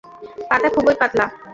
পাতা খুবই পাতলা।